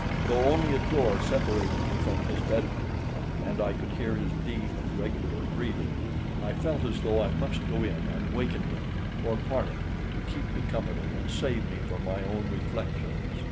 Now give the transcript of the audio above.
Though only a door separated me from his bedroom, and I could hear his deep and regular breathing, I felt as though I must go in and waken him or Parnham to keep me company and save me from my own reflections.